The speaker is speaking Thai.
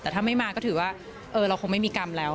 แต่ถ้าไม่มาก็ถือว่าเราคงไม่มีกรรมแล้ว